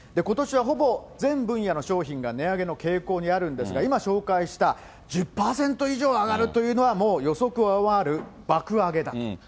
ことしはほぼ、全分野の商品が値上げの傾向にあるんですが、今、紹介した１０％以上上がるというのは、もう予測を上回る爆上げだと。